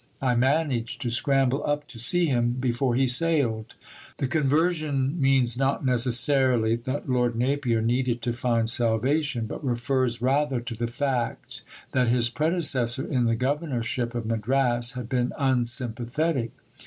I managed to scramble up to see him before he sailed." The "conversion" means not necessarily that Lord Napier needed to find salvation, but refers rather to the fact that his predecessor in the governorship of Madras had been unsympathetic.